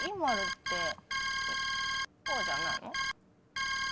こうじゃないの？